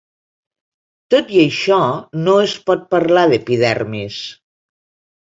Tot i això, no es pot parlar d'epidermis.